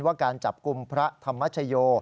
ว่าการจับกลุ่มพระธรรมชโย